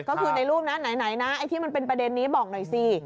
ก็คือในรูปไหนที่มันเป็นประเด็นนี้บอกหน่อยสิ